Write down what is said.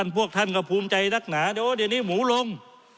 พวกท่านก็ภูมิใจนักหนาเดี๋ยวนี้หมูลง